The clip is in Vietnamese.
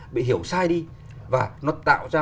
bị hiểu sai đi và nó tạo ra